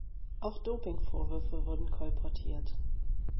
Auch Doping-Vorwürfe wurden kolportiert.